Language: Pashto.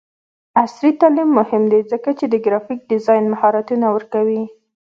عصري تعلیم مهم دی ځکه چې د ګرافیک ډیزاین مهارتونه ورکوي.